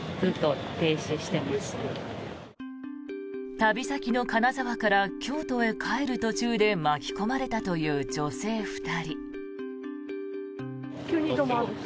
旅先の金沢から京都へ帰る途中で巻き込まれたという女性２人。